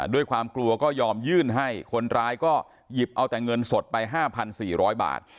ด้วยความกลัวก็ยอมยื่นให้คนร้ายก็หยิบเอาแต่เงินสดไป๕๔๐๐บาท